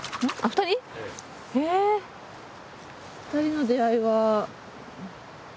二人の出会いは。